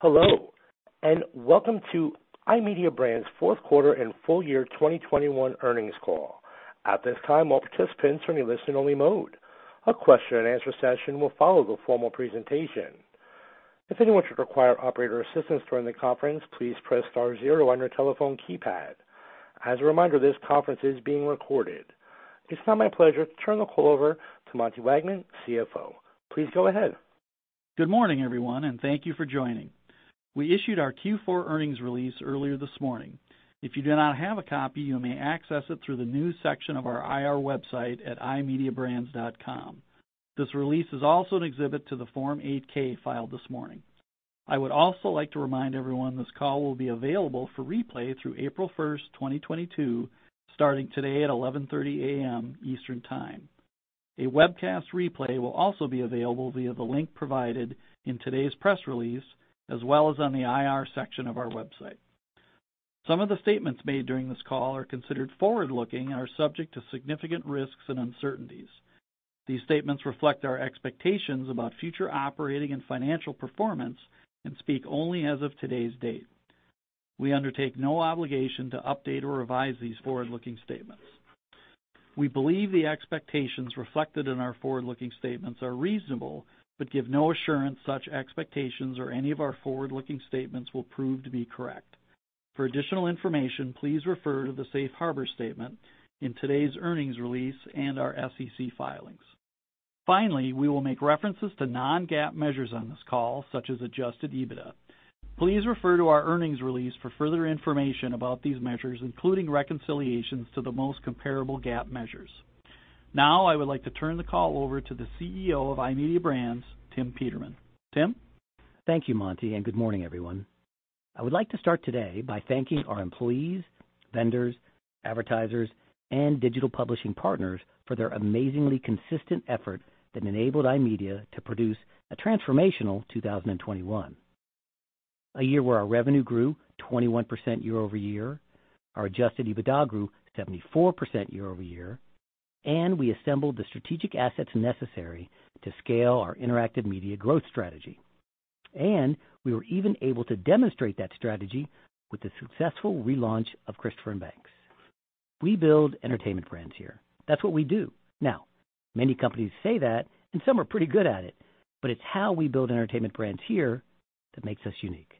Hello, and welcome to iMedia Brands' Fourth Quarter and Full Year 2021 Earnings Call. At this time, all participants are in a listen only mode. A Q&A session will follow the formal presentation. If anyone should require operator assistance during the conference, please press star zero on your telephone keypad. As a reminder, this conference is being recorded. It's now my pleasure to turn the call over to Monty Wageman, CFO. Please go ahead. Good morning, everyone, and thank you for joining. We issued our Q4 earnings release earlier this morning. If you do not have a copy, you may access it through the news section of our IR website at imediabrands.com. This release is also an exhibit to the Form 8-K filed this morning. I would also like to remind everyone this call will be available for replay through April 1, 2022, starting today at 11:30 A.M. Eastern Time. A webcast replay will also be available via the link provided in today's press release, as well as on the IR section of our website. Some of the statements made during this call are considered forward-looking and are subject to significant risks and uncertainties. These statements reflect our expectations about future operating and financial performance and speak only as of today's date. We undertake no obligation to update or revise these forward-looking statements. We believe the expectations reflected in our forward-looking statements are reasonable, but give no assurance such expectations or any of our forward-looking statements will prove to be correct. For additional information, please refer to the safe harbor statement in today's earnings release and our SEC filings. Finally, we will make references to non-GAAP measures on this call, such as Adjusted EBITDA. Please refer to our earnings release for further information about these measures, including reconciliations to the most comparable GAAP measures. Now I would like to turn the call over to the CEO of iMedia Brands, Tim Peterman. Tim? Thank you, Monty, and good morning, everyone. I would like to start today by thanking our employees, vendors, advertisers, and digital publishing partners for their amazingly consistent effort that enabled iMedia to produce a transformational 2021. A year where our revenue grew 21% YoY, our Adjusted EBITDA grew 74% YoY, and we assembled the strategic assets necessary to scale our interactive media growth strategy. We were even able to demonstrate that strategy with the successful relaunch of Christopher & Banks. We build entertainment brands here. That's what we do. Now, many companies say that, and some are pretty good at it, but it's how we build entertainment brands here that makes us unique.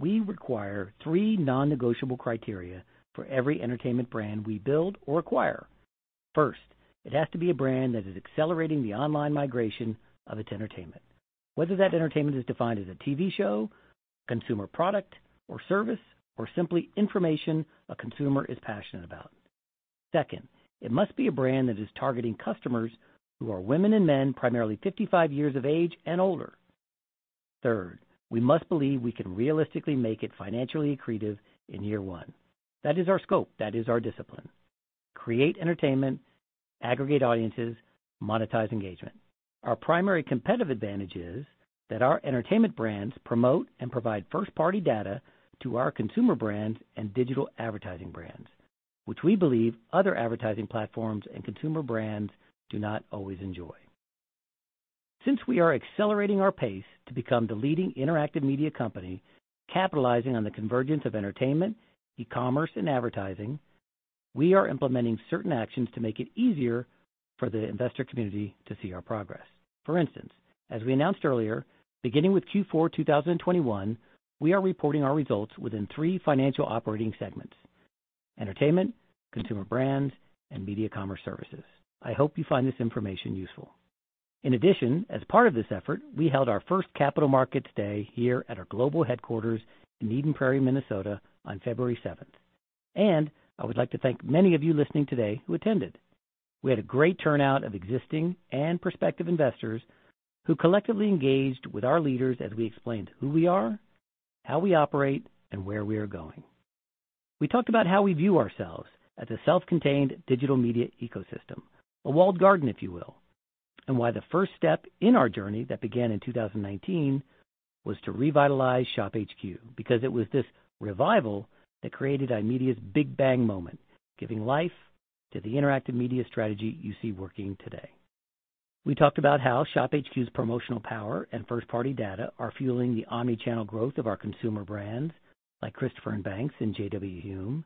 We require three non-negotiable criteria for every entertainment brand we build or acquire. First, it has to be a brand that is accelerating the online migration of its entertainment, whether that entertainment is defined as a TV show, consumer product or service, or simply information a consumer is passionate about. Second, it must be a brand that is targeting customers who are women and men, primarily 55 years of age and older. Third, we must believe we can realistically make it financially accretive in year one. That is our scope, that is our discipline. Create entertainment, aggregate audiences, monetize engagement. Our primary competitive advantage is that our entertainment brands promote and provide first-party data to our consumer brands and digital advertising brands, which we believe other advertising platforms and consumer brands do not always enjoy. Since we are accelerating our pace to become the leading interactive media company, capitalizing on the convergence of entertainment, e-commerce, and advertising, we are implementing certain actions to make it easier for the investor community to see our progress. For instance, as we announced earlier, beginning with Q4 2021, we are reporting our results within three financial operating segments: Entertainment, Consumer Brands, and Media Commerce Services. I hope you find this information useful. In addition, as part of this effort, we held our first capital markets day here at our global headquarters in Eden Prairie, Minnesota, on February 7. I would like to thank many of you listening today who attended. We had a great turnout of existing and prospective investors who collectively engaged with our leaders as we explained who we are, how we operate, and where we are going. We talked about how we view ourselves as a self-contained digital media ecosystem, a walled garden, if you will, and why the first step in our journey that began in 2019 was to revitalize ShopHQ because it was this revival that created iMedia's big bang moment, giving life to the interactive media strategy you see working today. We talked about how ShopHQ's promotional power and first-party data are fueling the omni-channel growth of our consumer brands like Christopher & Banks and J.W. Hulme,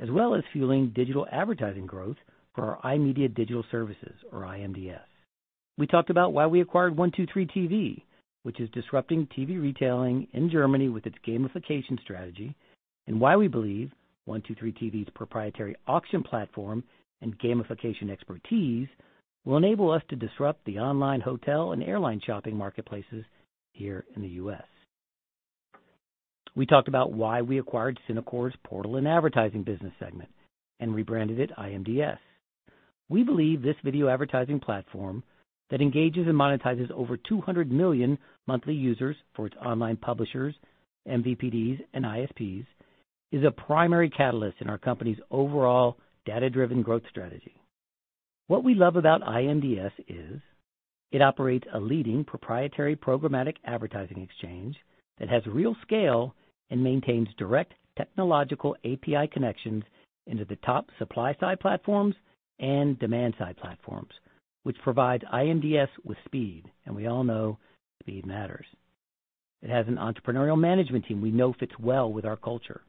as well as fueling digital advertising growth for our iMedia Digital Services or IMDS. We talked about why we acquired 1-2-3.tv, which is disrupting TV retailing in Germany with its gamification strategy, and why we believe 1-2-3.tv's proprietary auction platform and gamification expertise will enable us to disrupt the online hotel and airline shopping marketplaces here in the U.S. We talked about why we acquired Synacor's portal and advertising business segment and rebranded it iMDS. We believe this video advertising platform that engages and monetizes over 200 million monthly users for its online publishers, MVPDs, and ISPs, is a primary catalyst in our company's overall data-driven growth strategy. What we love about iMDS is it operates a leading proprietary programmatic advertising exchange that has real scale and maintains direct technological API connections into the top supply-side platforms and demand-side platforms, which provides iMDS with speed, and we all know speed matters. It has an entrepreneurial management team we know fits well with our culture.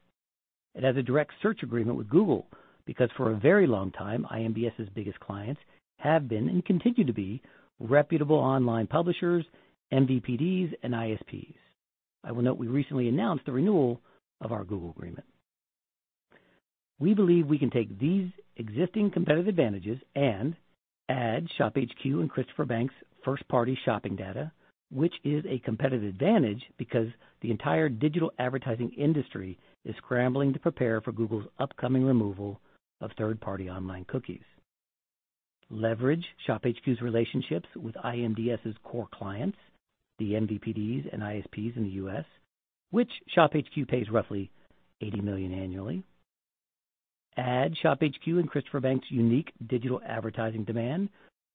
It has a direct search agreement with Google because for a very long time, iMDS' biggest clients have been and continue to be reputable online publishers, MVPDs and ISPs. I will note we recently announced the renewal of our Google agreement. We believe we can take these existing competitive advantages and add ShopHQ and Christopher & Banks first-party shopping data, which is a competitive advantage because the entire digital advertising industry is scrambling to prepare for Google's upcoming removal of third-party online cookies. Leverage ShopHQ's relationships with iMDS' core clients, the MVPDs and ISPs in the U.S., which ShopHQ pays roughly $80 million annually. Add ShopHQ and Christopher & Banks unique digital advertising demand,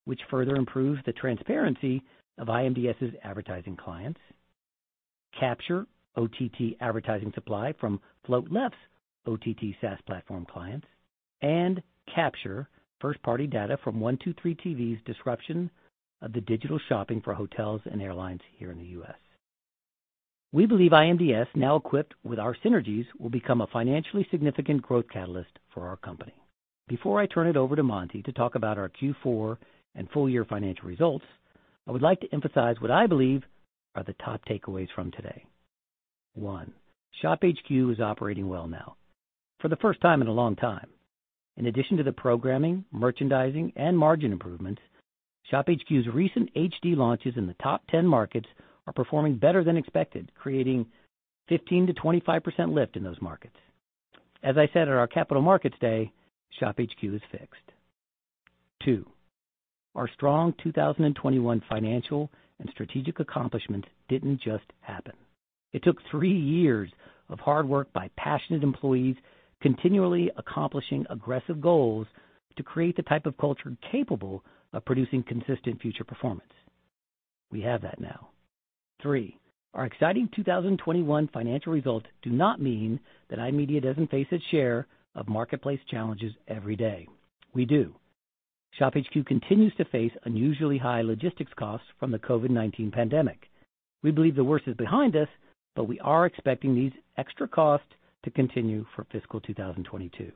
which further improves the transparency of iMDS' advertising clients. Capture OTT advertising supply from Float Left's OTT SaaS platform clients, and capture first-party data from 1-2-3.tv's disruption of the digital shopping for hotels and airlines here in the U.S. We believe iMDS, now equipped with our synergies, will become a financially significant growth catalyst for our company. Before I turn it over to Monty to talk about our Q4 and full year financial results, I would like to emphasize what I believe are the top takeaways from today. One, ShopHQ is operating well now for the first time in a long time. In addition to the programming, merchandising and margin improvements, ShopHQ's recent HD launches in the top 10 markets are performing better than expected, creating 15%-25% lift in those markets. As I said at our Capital Markets Day, ShopHQ is fixed. Two, our strong 2021 financial and strategic accomplishments didn't just happen. It took three years of hard work by passionate employees continually accomplishing aggressive goals to create the type of culture capable of producing consistent future performance. We have that now. Three, Our exciting 2021 financial results do not mean that iMedia doesn't face its share of marketplace challenges every day. We do. ShopHQ continues to face unusually high logistics costs from the COVID-19 pandemic. We believe the worst is behind us, but we are expecting these extra costs to continue for fiscal 2022.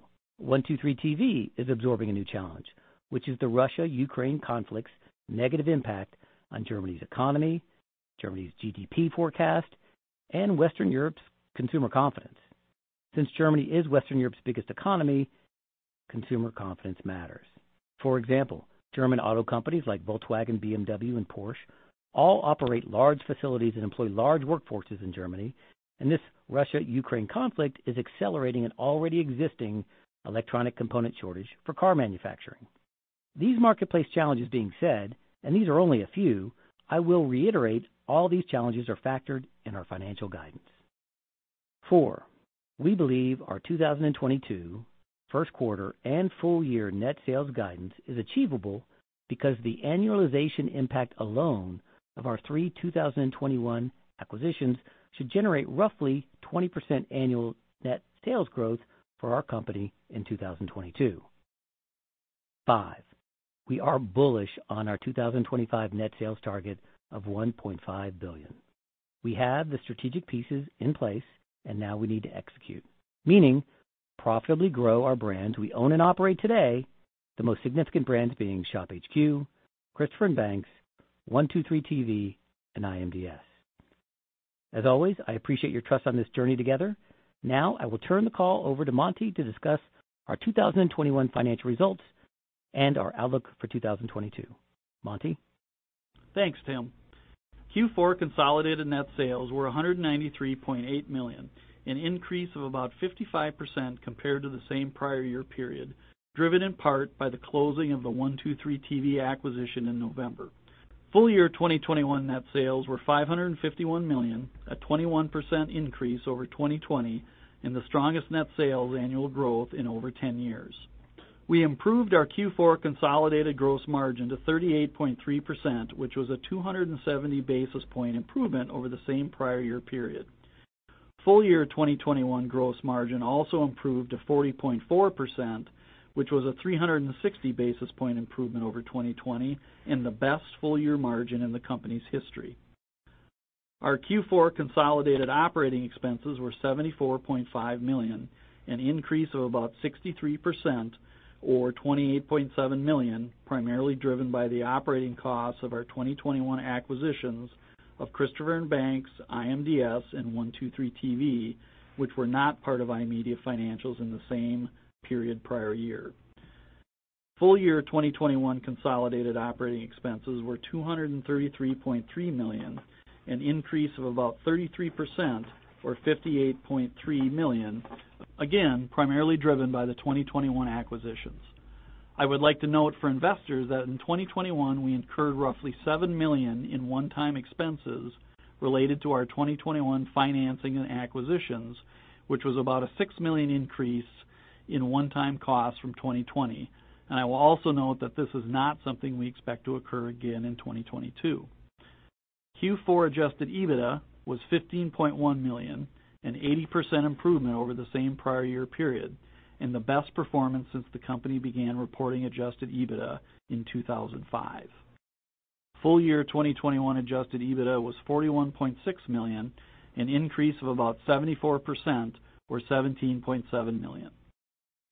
1-2-3.tv is absorbing a new challenge, which is the Russia-Ukraine conflict's negative impact on Germany's economy, Germany's GDP forecast, and Western Europe's consumer confidence. Since Germany is Western Europe's biggest economy, consumer confidence matters. For example, German auto companies like Volkswagen, BMW, and Porsche all operate large facilities and employ large workforces in Germany, and this Russia-Ukraine conflict is accelerating an already existing electronic component shortage for car manufacturing. That being said, and these are only a few, I will reiterate all these challenges are factored in our financial guidance. Four. We believe our 2022 first quarter and full year net sales guidance is achievable because the annualization impact alone of our three 2021 acquisitions should generate roughly 20% annual net sales growth for our company in 2022. Five. We are bullish on our 2025 net sales target of $1.5 billion. We have the strategic pieces in place and now we need to execute. Meaningfully, profitably grow our brands we own and operate today, the most significant brands being ShopHQ, Christopher & Banks, 1-2-3.tv, and iMDS. As always, I appreciate your trust on this journey together. Now, I will turn the call over to Monty to discuss our 2021 financial results and our outlook for 2022. Monty. Thanks, Tim. Q4 consolidated net sales were $193.8 million, an increase of about 55% compared to the same prior year period, driven in part by the closing of the 1-2-3.tv acquisition in November. Full year 2021 net sales were $551 million, a 21% increase over 2020 and the strongest net sales annual growth in over 10 years. We improved our Q4 consolidated gross margin to 38.3%, which was a 270 basis point improvement over the same prior year period. Full year 2021 gross margin also improved to 40.4%, which was a 360 basis point improvement over 2020 and the best full year margin in the company's history. Our Q4 consolidated operating expenses were $74.5 million, an increase of about 63% or $28.7 million, primarily driven by the operating costs of our 2021 acquisitions of Christopher & Banks, iMDS, and 1-2-3.tv, which were not part of iMedia financials in the same period prior year. Full year 2021 consolidated operating expenses were $233.3 million, an increase of about 33% or $58.3 million, again, primarily driven by the 2021 acquisitions. I would like to note for investors that in 2021 we incurred roughly $7 million in one-time expenses related to our 2021 financing and acquisitions, which was about a $6 million increase one-time costs from 2020. I will also note that this is not something we expect to occur again in 2022. Q4 Adjusted EBITDA was $15.1 million, an 80% improvement over the same prior year period and the best performance since the company began reporting Adjusted EBITDA in 2005. Full year 2021 Adjusted EBITDA was $41.6 million, an increase of about 74% or $17.7 million.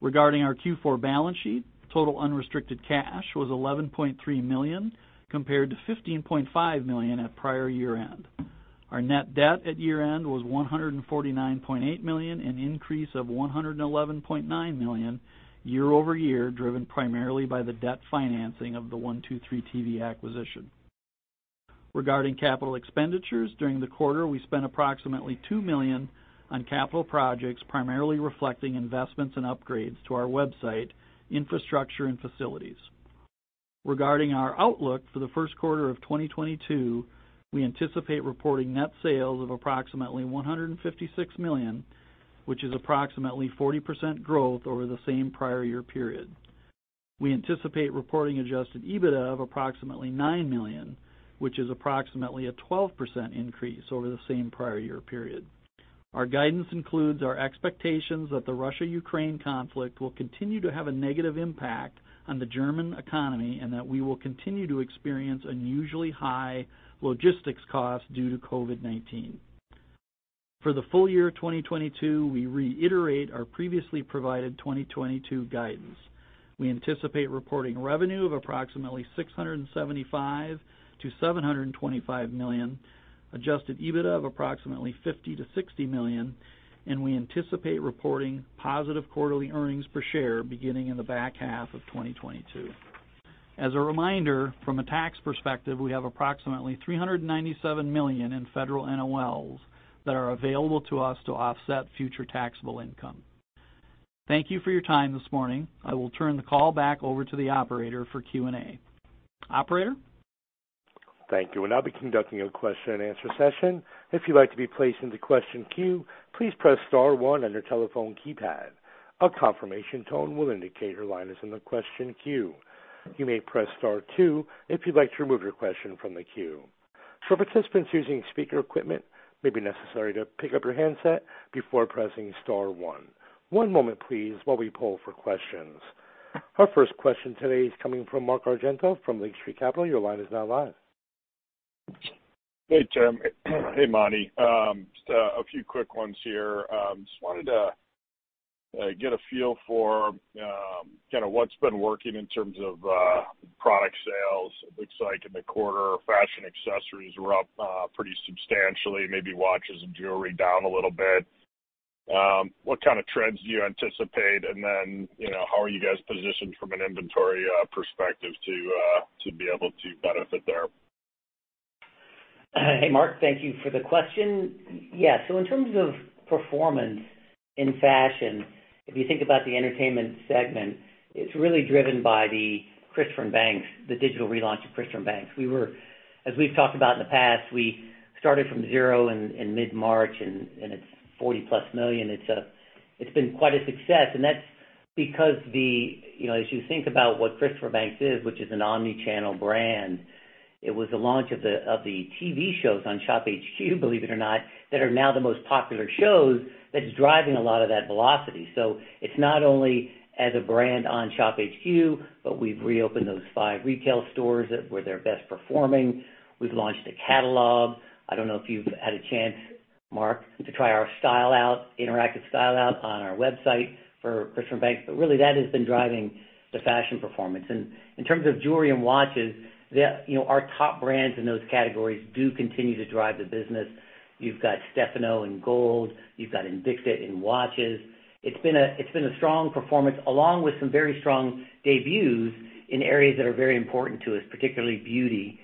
Regarding our Q4 balance sheet, total unrestricted cash was $11.3 million, compared to $15.5 million at prior year-end. Our net debt at year-end was $149.8 million, an increase of $111.9 million YoY, driven primarily by the debt financing of the 1-2-3.tv acquisition. Regarding capital expenditures, during the quarter, we spent approximately $2 million on capital projects, primarily reflecting investments and upgrades to our website, infrastructure and facilities. Regarding our outlook for the first quarter of 2022, we anticipate reporting net sales of approximately $156 million, which is approximately 40% growth over the same prior year period. We anticipate reporting Adjusted EBITDA of approximately $9 million, which is approximately a 12% increase over the same prior year period. Our guidance includes our expectations that the Russia-Ukraine conflict will continue to have a negative impact on the German economy, and that we will continue to experience unusually high logistics costs due to COVID-19. For the full year 2022, we reiterate our previously provided 2022 guidance. We anticipate reporting revenue of approximately $675 million-$725 million, Adjusted EBITDA of approximately $50 million-$60 million, and we anticipate reporting positive quarterly EPS beginning in the back half of 2022. As a reminder, from a tax perspective, we have approximately $397 million in federal NOLs that are available to us to offset future taxable income. Thank you for your time this morning. I will turn the call back over to the operator for Q&A. Operator? Thank you. We'll now be conducting a Q&A session. If you'd like to be placed into the question queue, please press star one on your telephone keypad. A confirmation tone will indicate your line is in the question queue. You may press star two if you'd like to remove your question from the queue. For participants using speaker equipment, it may be necessary to pick up your handset before pressing star one. One moment please, while we poll for questions. Our first question today is coming from Mark Argento from Lake Street Capital Markets. Your line is now live. Hey, Jim. Hey, Monty. Just a few quick ones here. Just wanted to get a feel for kinda what's been working in terms of product sales. It looks like in the quarter, fashion accessories were up pretty substantially, maybe watches and jewelry down a little bit. What kind of trends do you anticipate? You know, how are you guys positioned from an inventory perspective to be able to benefit there? Hey, Mark, thank you for the question. Yeah. In terms of performance in fashion, if you think about the Entertainment segment, it's really driven by the Christopher & Banks, the digital relaunch of Christopher & Banks. As we've talked about in the past, we started from 0 in mid-March and it's +$40 million. It's been quite a success, and that's because the You know, as you think about what Christopher & Banks is, which is an omni-channel brand, it was the launch of the TV shows on ShopHQ, believe it or not, that are now the most popular shows that is driving a lot of that velocity. It's not only as a brand on ShopHQ, but we've reopened those 5 retail stores that were their best performing. We've launched a catalog. I don't know if you've had a chance, Mark, to try our interactive style out on our website for Christopher & Banks, but really that has been driving the fashion performance. In terms of jewelry and watches, you know, our top brands in those categories do continue to drive the business. You've got Stefano Oro in gold, you've got Invicta in watches. It's been a strong performance along with some very strong debuts in areas that are very important to us, particularly beauty.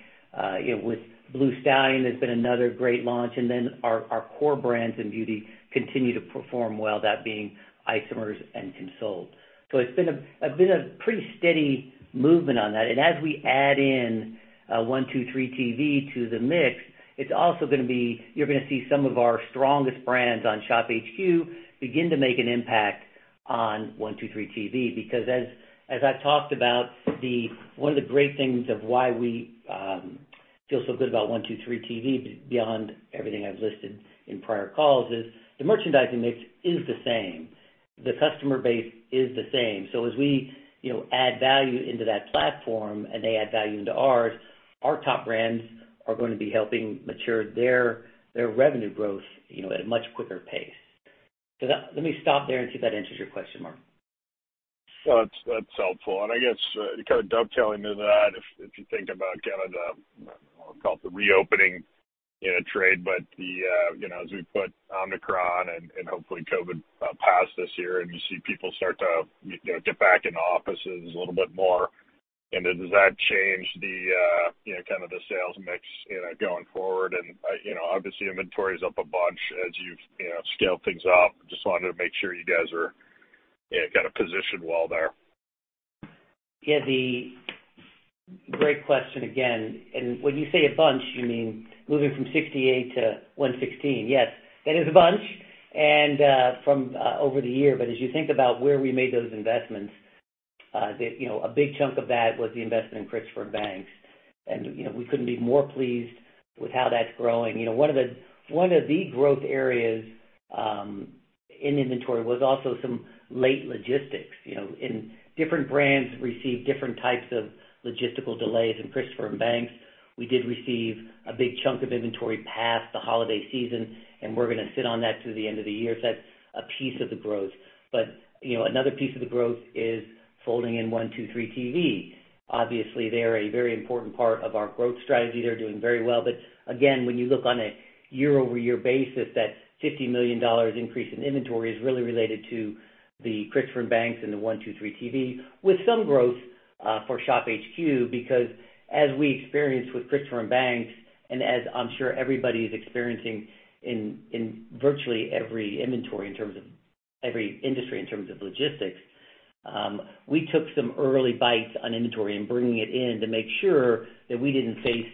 You know, with Bleu Stallion has been another great launch, and then our core brands in beauty continue to perform well, that being Isomers and Consult Beaute. It's been a pretty steady movement on that. As we add in 1-2-3.tv to the mix, it's also gonna be you're gonna see some of our strongest brands on ShopHQ begin to make an impact on 1-2-3.tv. Because as I've talked about, one of the great things of why we feel so good about 1-2-3.tv, beyond everything I've listed in prior calls, is the merchandising mix is the same, the customer base is the same. As we, you know, add value into that platform and they add value into ours, our top brands are gonna be helping mature their revenue growth, you know, at a much quicker pace. Let me stop there and see if that answers your question, Mark. That's helpful. I guess kind of dovetailing to that, if you think about kind of the, I'll call it the reopening, you know, trade, but you know, as we put Omicron and hopefully COVID past this year and you see people start to, you know, get back in the offices a little bit more, and then does that change the, you know, kind of the sales mix, you know, going forward? You know, obviously, inventory is up a bunch as you've, you know, scaled things up. Just wanted to make sure you guys are, you know, kind of positioned well there. Yeah, a great question again. When you say a bunch, you mean moving from $68 - $116. Yes, that is a bunch. From over the year. But as you think about where we made those investments, that, you know, a big chunk of that was the investment in Christopher & Banks. You know, we couldn't be more pleased with how that's growing. You know, one of the growth areas in inventory was also some late logistics. You know, different brands receive different types of logistical delays. In Christopher & Banks, we did receive a big chunk of inventory past the holiday season, and we're gonna sit on that through the end of the year. So that's a piece of the growth. You know, another piece of the growth is folding in 1-2-3.tv. Obviously, they're a very important part of our growth strategy. They're doing very well. Again, when you look on a YoY basis, that $50 million increase in inventory is really related to the Christopher & Banks and the 1-2-3.tv, with some growth for ShopHQ because as we experienced with Christopher & Banks, and as I'm sure everybody is experiencing in virtually every industry in terms of every industry, in terms of logistics, we took some early bites on inventory and bringing it in to make sure that we didn't face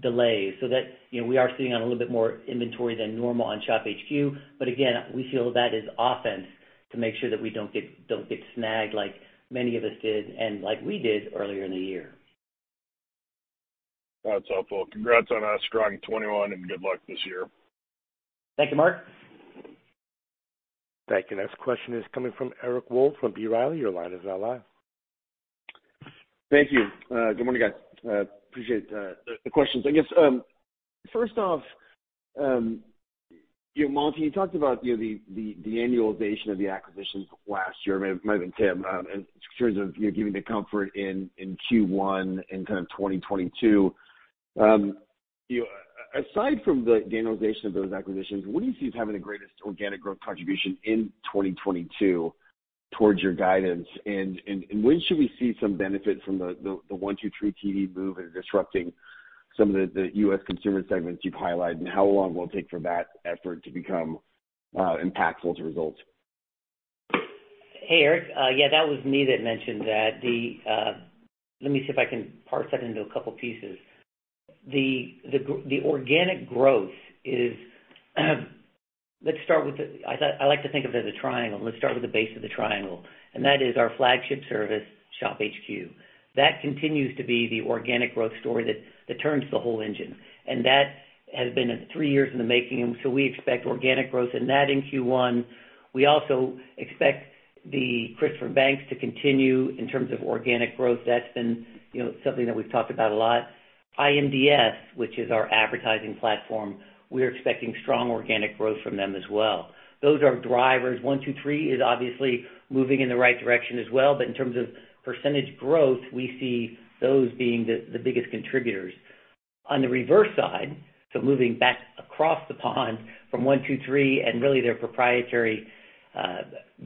delays so that, you know, we are sitting on a little bit more inventory than normal on ShopHQ. Again, we feel that is offensive to make sure that we don't get snagged like many of us did and like we did earlier in the year. That's helpful. Congrats on a strong 2021, and good luck this year. Thank you, Mark. Thank you. Next question is coming from Eric Wold from B. Riley. Your line is now live. Thank you. Good morning, guys. Appreciate the questions, I guess. First off, you know, Monty, you talked about, you know, the annualization of the acquisitions last year. Might have been Tim, in terms of, you know, giving the comfort in Q1 in kind of 2022. You know, aside from the annualization of those acquisitions, what do you see as having the greatest organic growth contribution in 2022 towards your guidance? And when should we see some benefit from the 1-2-3.tv move and disrupting some of the U.S. consumer segments you've highlighted, and how long will it take for that effort to become impactful to results? Hey, Eric. Yeah, that was me that mentioned that. Let me see if I can parse that into a couple pieces. The organic growth is, let's start with the base of the triangle, and that is our flagship service, ShopHQ. That continues to be the organic growth story that turns the whole engine, and that has been three years in the making. We expect organic growth in that in Q1. We also expect the Christopher & Banks to continue in terms of organic growth. That's been, you know, something that we've talked about a lot. iMDS, which is our advertising platform, we're expecting strong organic growth from them as well. Those are drivers. 1-2-3.tv is obviously moving in the right direction as well, but in terms of percentage growth, we see those being the biggest contributors. On the reverse side, moving back across the pond from 1-2-3.tv and really their proprietary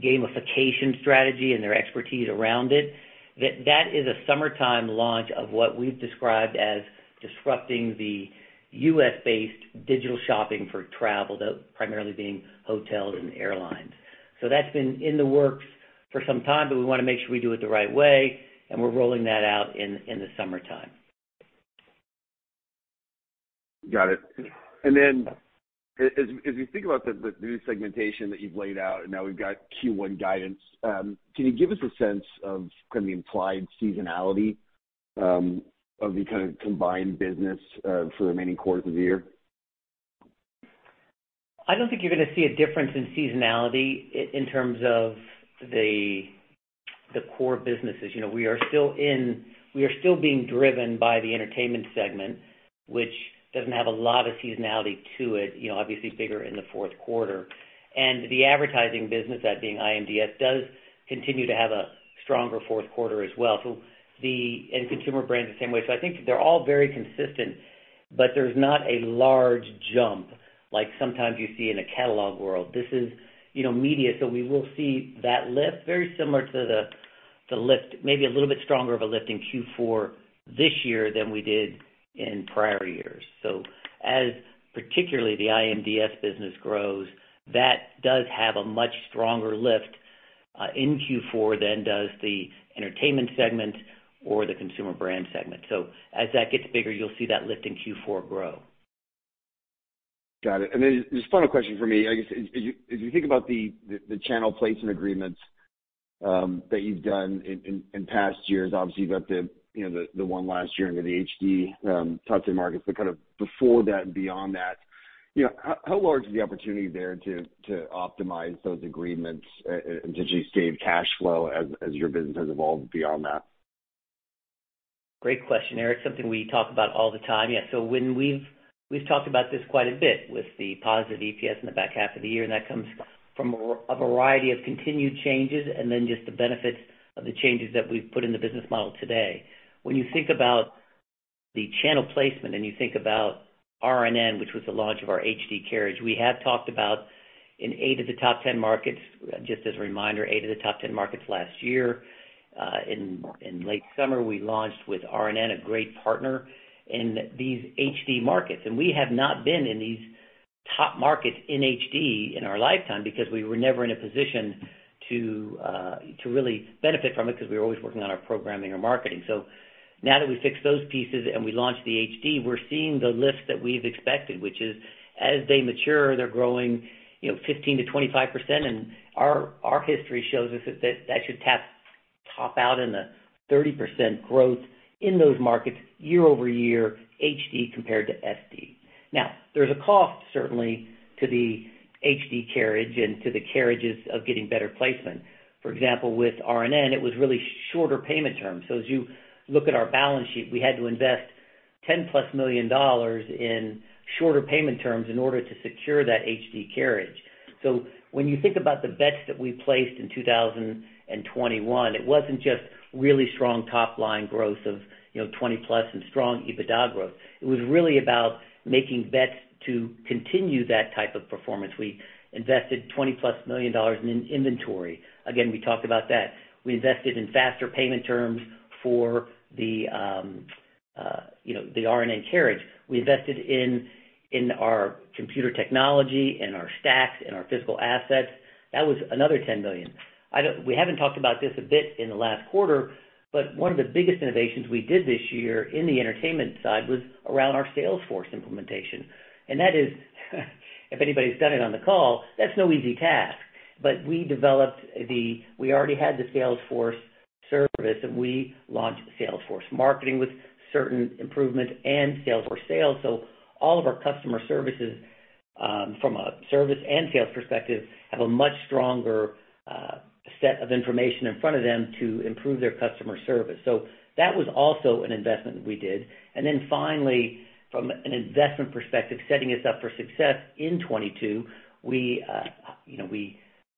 gamification strategy and their expertise around it, that is a summertime launch of what we've described as disrupting the U.S.-based digital shopping for travel, them primarily being hotels and airlines. That's been in the works for some time, but we wanna make sure we do it the right way, and we're rolling that out in the summertime. Got it. As you think about the new segmentation that you've laid out and now we've got Q1 guidance, can you give us a sense of kind of the implied seasonality of the kind of combined business for the remaining quarters of the year? I don't think you're gonna see a difference in seasonality in terms of the core businesses. You know, we are still being driven by the Entertainment segment, which doesn't have a lot of seasonality to it, you know, obviously bigger in the fourth quarter. The advertising business, that being iMDS, does continue to have a stronger fourth quarter as well. In Consumer Brands, the same way. I think they're all very consistent, but there's not a large jump like sometimes you see in a catalog world. This is, you know, media, so we will see that lift very similar to the lift, maybe a little bit stronger of a lift in Q4 this year than we did in prior years. As particularly the IMDS business grows, that does have a much stronger lift in Q4 than does the Entertainment segment or the Consumer Brands segment. As that gets bigger, you'll see that lift in Q4 grow. Got it. Just final question for me. I guess as you think about the channel placement agreements that you've done in past years, obviously you've got the, you know, the one last year under the HD top 10 markets. Kind of before that and beyond that, you know, how large is the opportunity there to optimize those agreements and to just save cash flow as your business has evolved beyond that? Great question, Eric. Something we talk about all the time. Yeah, so we've talked about this quite a bit with the positive EPS in the back half of the year, and that comes from a variety of continued changes and then just the benefits of the changes that we've put in the business model today. When you think about the channel placement and you think about RNN, which was the launch of our HD carriage, we have talked about in eight of the top 10 markets, just as a reminder, eight of the top 10 markets last year. In late summer, we launched with RNN, a great partner in these HD markets. We have not been in these top markets in HD in our lifetime because we were never in a position to to really benefit from it because we were always working on our programming or marketing. Now that we fixed those pieces and we launched the HD, we're seeing the lift that we've expected, which is as they mature, they're growing, you know, 15%-25%. Our history shows us that should top out in the 30% growth in those markets YoY, HD compared to SD. Now, there's a cost certainly to the HD carriage and to the carriages of getting better placement. For example, with RNN, it was really shorter payment terms. As you look at our balance sheet, we had to invest +$10 million in shorter payment terms in order to secure that HD carriage. When you think about the bets that we placed in 2021, it wasn't just really strong top-line growth of, you know, +20 and strong Adjusted EBITDA growth. It was really about making bets to continue that type of performance. We invested +$20 million in inventory. Again, we talked about that. We invested in faster payment terms for the, you know, RNN carriage. We invested in our computer technology and our stacks and our physical assets. That was another $10 million. We haven't talked about this a bit in the last quarter, but one of the biggest innovations we did this year in the entertainment side was around our Salesforce implementation. That is, if anybody's done it on the call, that's no easy task. We developed the... We already had the Salesforce service, and we launched Salesforce Marketing with certain improvements and Salesforce Sales. All of our customer services from a service and sales perspective have a much stronger set of information in front of them to improve their customer service. That was also an investment we did. Finally, from an investment perspective, setting us up for success in 2022, we you know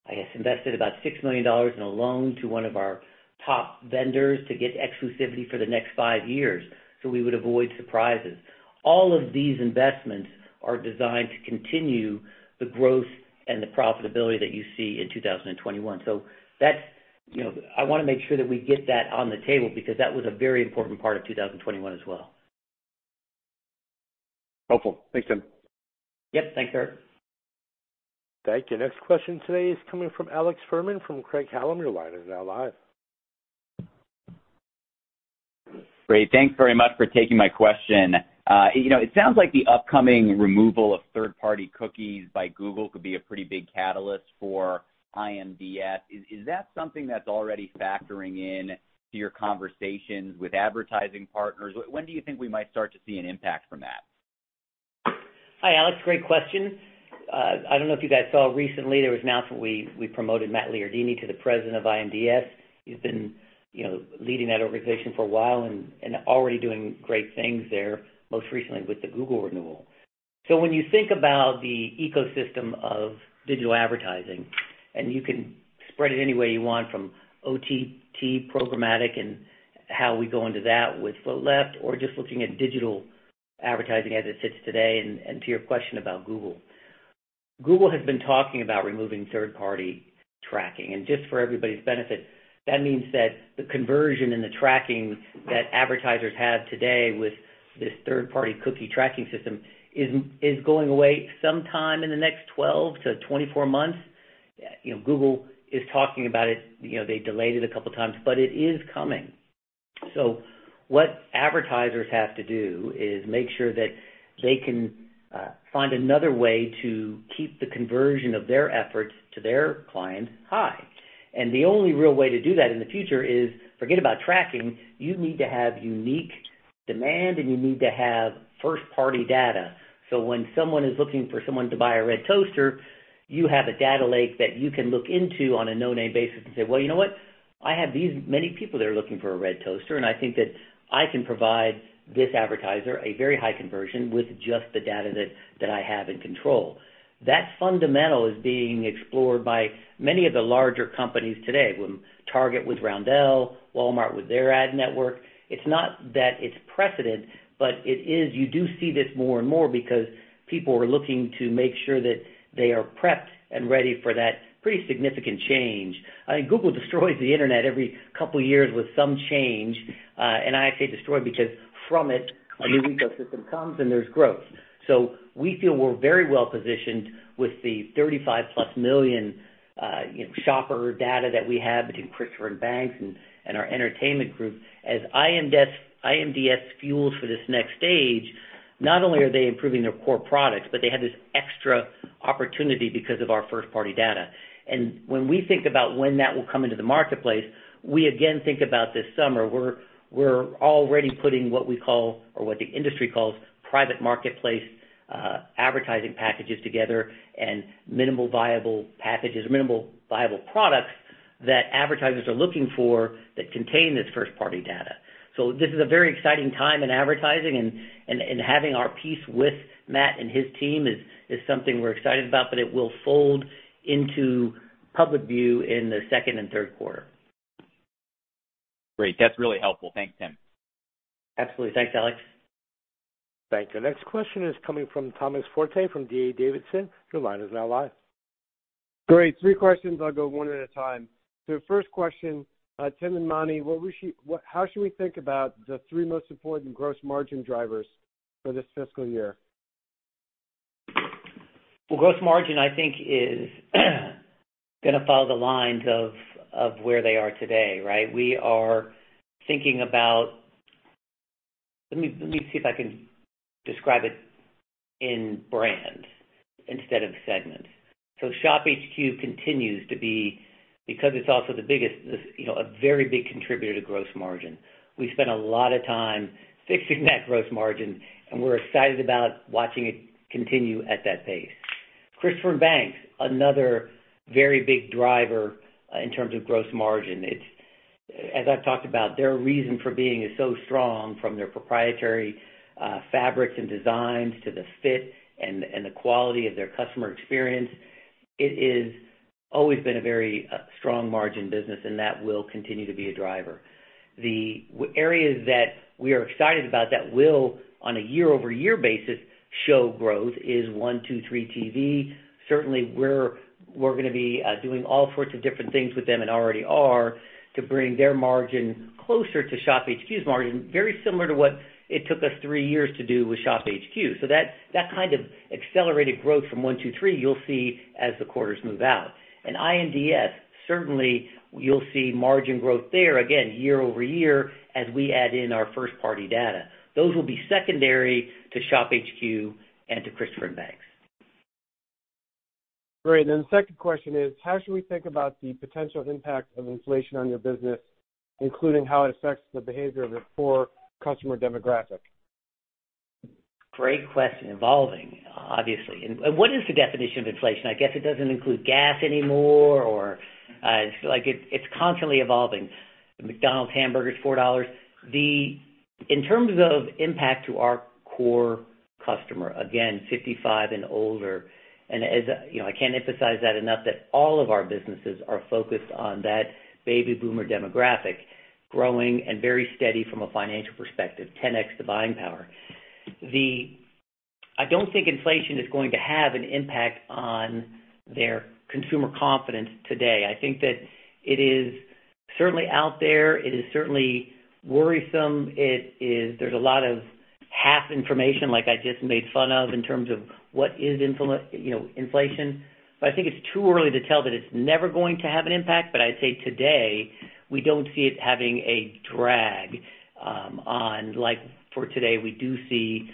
I guess invested about $6 million in a loan to one of our top vendors to get exclusivity for the next five years, so we would avoid surprises. All of these investments are designed to continue the growth and the profitability that you see in 2021. That's, you know, I wanna make sure that we get that on the table because that was a very important part of 2021 as well. Helpful. Thanks, Tim. Yep. Thanks, Eric. Thank you. Next question today is coming from Alex Fuhrman from Craig-Hallum. Your line is now live. Great. Thanks very much for taking my question. You know, it sounds like the upcoming removal of third-party cookies by Google could be a pretty big catalyst for iMDS. Is that something that's already factoring in to your conversations with advertising partners? When do you think we might start to see an impact from that? Hi, Alex. Great question. I don't know if you guys saw recently there was an announcement we promoted Matt Giardini to President of iMDS. He's been, you know, leading that organization for a while and already doing great things there, most recently with the Google renewal. When you think about the ecosystem of digital advertising, and you can spread it any way you want from OTT programmatic and how we go into that with Float Left or just looking at digital advertising as it sits today, and to your question about Google. Google has been talking about removing third-party tracking. Just for everybody's benefit, that means that the conversion and the tracking that advertisers have today with this third-party cookie tracking system is going away sometime in the next 12 months -24 months. You know, Google is talking about it. You know, they delayed it a couple times, but it is coming. What advertisers have to do is make sure that they can find another way to keep the conversion of their efforts to their clients high. The only real way to do that in the future is forget about tracking. You need to have unique demand, and you need to have first-party data, so when someone is looking for someone to buy a red toaster, you have a data lake that you can look into on a no-name basis and say, "Well, you know what? I have these many people that are looking for a red toaster, and I think that I can provide this advertiser a very high conversion with just the data that I have in control." That fundamental is being explored by many of the larger companies today, like Target with Roundel, Walmart with their ad network. It's not that it's precedent, but it is. You do see this more and more because people are looking to make sure that they are prepped and ready for that pretty significant change. I think Google destroys the internet every couple years with some change. I say destroy because from it a new ecosystem comes and there's growth. We feel we're very well positioned with the +35 million, you know, shopper data that we have between Christopher & Banks and our Entertainment group. As iMDS fuels for this next stage, not only are they improving their core products, but they have this extra opportunity because of our first-party data. When we think about when that will come into the marketplace, we again think about this summer. We're already putting what we call or what the industry calls private marketplace advertising packages together and minimal viable packages, minimal viable products that advertisers are looking for that contain this first-party data. This is a very exciting time in advertising and having our piece with Matt and his team is something we're excited about, but it will fold into public view in the second and third quarter. Great. That's really helpful. Thanks, Tim. Absolutely. Thanks, Alex. Thank you. Next question is coming from Thomas Forte from D.A. Davidson. Your line is now live. Great. Three questions. I'll go one at a time. First question, Tim and Monty, how should we think about the three most important gross margin drivers for this fiscal year? Well, gross margin, I think, is gonna follow the lines of where they are today, right? We are thinking about. Let me see if I can describe it in brands instead of segments. ShopHQ continues to be, because it's also the biggest, you know, a very big contributor to gross margin. We spent a lot of time fixing that gross margin, and we're excited about watching it continue at that pace. Christopher & Banks, another very big driver in terms of gross margin. It's. As I've talked about, their reason for being is so strong from their proprietary fabrics and designs to the fit and the quality of their customer experience. It is always been a very strong margin business, and that will continue to be a driver. The areas that we are excited about that will, on a YoY basis, show growth is 1-2-3.tv. Certainly, we're gonna be doing all sorts of different things with them and already are to bring their margin closer to ShopHQ's margin, very similar to what it took us three years to do with ShopHQ. That kind of accelerated growth from 1-2-3.tv, you'll see as the quarters move out. iMDS, certainly you'll see margin growth there again YoY as we add in our first-party data. Those will be secondary to ShopHQ and to Christopher & Banks. Great. The second question is, how should we think about the potential impact of inflation on your business, including how it affects the behavior of your core customer demographic? Great question. Evolving, obviously. What is the definition of inflation? I guess it doesn't include gas anymore or it's like it's constantly evolving. McDonald's hamburger is $4. In terms of impact to our core customer, again, 55 and older, and as you know, I can't emphasize that enough that all of our businesses are focused on that baby boomer demographic growing and very steady from a financial perspective, 10 extra buying power. I don't think inflation is going to have an impact on their consumer confidence today. I think that it is certainly out there. It is certainly worrisome. There's a lot of half information like I just made fun of in terms of what is, you know, inflation. I think it's too early to tell that it's never going to have an impact. I'd say today, we don't see it having a drag on. Like for today, we do see,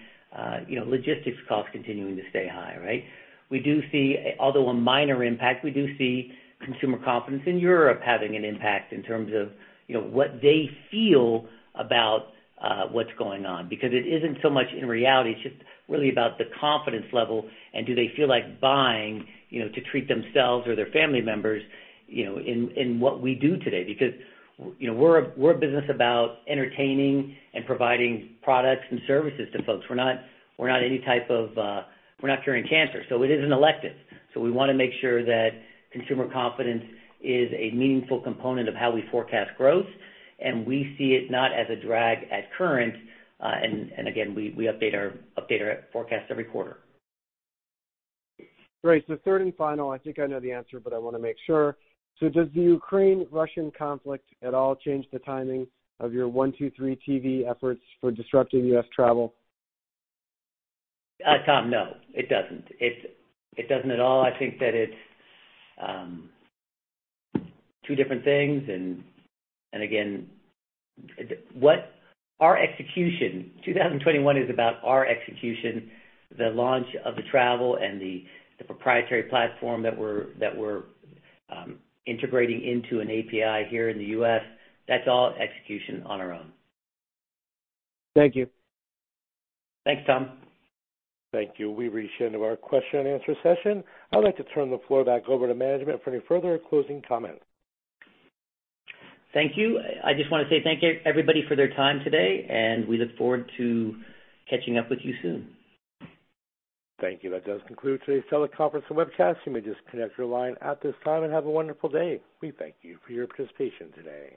you know, logistics costs continuing to stay high, right? We do see, although a minor impact, we do see consumer confidence in Europe having an impact in terms of, you know, what they feel about, what's going on. Because it isn't so much in reality, it's just really about the confidence level and do they feel like buying, you know, to treat themselves or their family members, you know, in what we do today. Because you know, we're a business about entertaining and providing products and services to folks. We're not any type of, we're not curing cancer, so it is an elective. We want to make sure that consumer confidence is a meaningful component of how we forecast growth, and we see it not as a drag currently. We update our forecasts every quarter. Great. Third and final, I think I know the answer, but I wanna make sure. Does the Ukraine-Russian conflict at all change the timing of your 1-2-3.tv efforts for disrupting U.S. travel? Tom, no, it doesn't. It doesn't at all. I think that it's two different things. Again, 2021 is about our execution, the launch of the travel and the proprietary platform that we're integrating into an API here in the U.S. That's all execution on our own. Thank you. Thanks, Tom. Thank you. We've reached the end of our question and answer session. I'd like to turn the floor back over to management for any further closing comments. Thank you. I just wanna say thank everybody for their time today, and we look forward to catching up with you soon. Thank you. That does conclude today's teleconference and webcast. You may disconnect your line at this time and have a wonderful day. We thank you for your participation today.